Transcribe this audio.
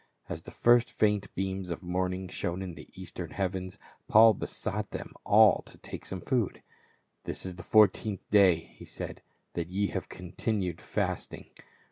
As the first faint beams of morning shone in the eastern heavens, Paul besought them all to take some food. "This is the fourteenth day," he said, "that ye have continued fasting.